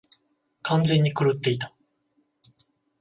完全に狂っていた。